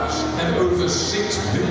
lebih dari satu juta mobil